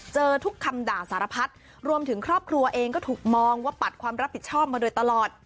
ทุกคำด่าสารพัดรวมถึงครอบครัวเองก็ถูกมองว่าปัดความรับผิดชอบมาโดยตลอด